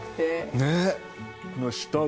ねっ。